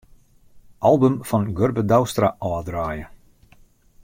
Album fan Gurbe Douwstra ôfdraaie.